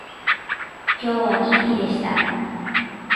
今日はいい日でした